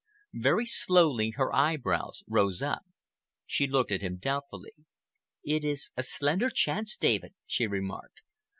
Very slowly her eyebrows rose up. She looked at him doubtfully. "It is a slender chance, David," she remarked.